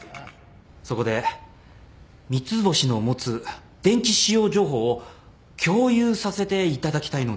そこで三ツ星の持つ電気使用情報を共有させていただきたいのですが。